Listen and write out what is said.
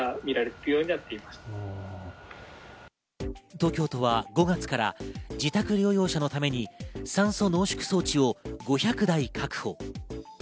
東京都は５月から自宅療養者のために酸素濃縮装置を５００台確保。